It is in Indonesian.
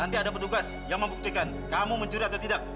nanti ada petugas yang membuktikan kamu mencuri atau tidak